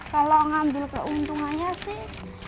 kalau ngambil keuntungannya sih